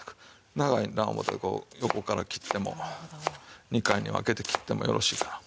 長いな思うたらこう横から切っても２回に分けて切ってもよろしいから。